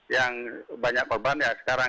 yang banyak korban sekarang